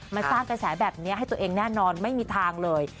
สร้างกระแสแบบนี้ให้ตัวเองแน่นอนไม่มีทางเลย